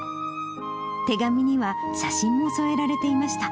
手紙には、写真も添えられていました。